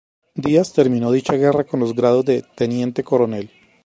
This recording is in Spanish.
Díaz terminó dicha guerra con los grados de Teniente Coronel.